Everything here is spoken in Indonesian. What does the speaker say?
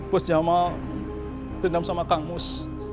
bos jamal tindam sama kangus